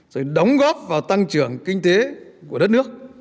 rồi đóng góp vào tăng trưởng kinh tế của đất nước